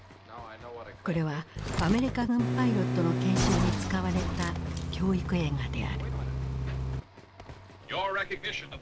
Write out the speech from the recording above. これはアメリカ軍パイロットの研修に使われた教育映画である。